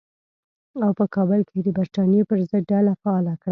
او په کابل کې یې د برټانیې پر ضد ډله فعاله کړه.